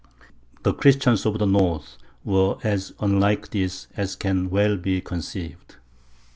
The Christians of the north were as unlike this as can well be conceived.